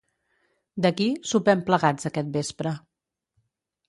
D'aquí, sopem plegats aquest vespre.